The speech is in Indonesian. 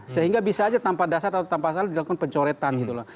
sehingga bisa saja tanpa dasar atau tanpa salah dilakukan pencoretan gitu loh